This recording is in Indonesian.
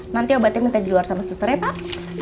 nanti obatnya minta diluar sama susternya pak